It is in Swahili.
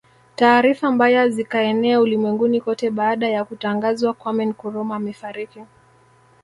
Taarifa mbaya zikaenea ulimwenguni kote baada ya Kutangazwa Kwame Nkrumah Amefariki